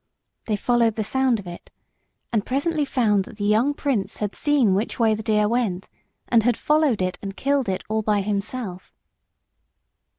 They followed the sound of it and presently found that the young prince had seen which way the deer went, and had followed it and killed it all by himself.